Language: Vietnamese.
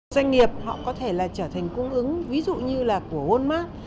doanh nghiệp họ có thể là trở thành cung ứng ví dụ như là của walmark